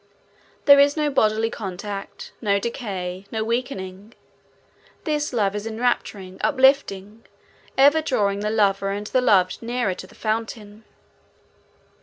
There is no bodily contact, no decay, no weakening. This love is enrapturing, uplifting, ever drawing the lover and the loved nearer to the fountain.